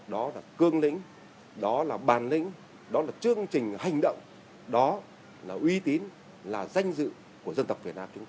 đó là cương lính đó là bàn lính đó là chương trình hành động đó là uy tín là danh dự của dân tộc việt nam chúng ta